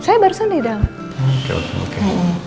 saya barusan di dalam oke oke